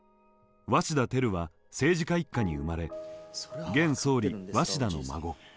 鷲田照は政治家一家に生まれ現総理鷲田の孫。